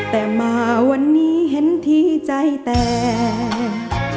แต่มาวันนี้เห็นที่ใจแตก